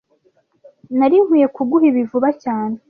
Nari nkwiye kuguha ibi vuba cyane